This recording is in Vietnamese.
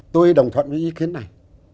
tôi đồng thuận với ý kiến này